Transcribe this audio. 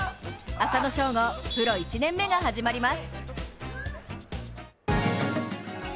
浅野翔吾、プロ１年目が始まります！